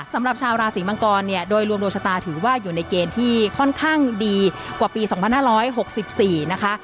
สำหรับชาวราศีมังกรเนี่ยโดยรวมดวงชะตาถือว่าอยู่ในเกณฑ์ที่ค่อนข้างดีกว่าปี๒๕๖๔นะคะ